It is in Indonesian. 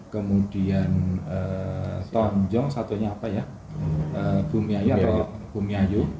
kemudian tonjong satunya bumiayu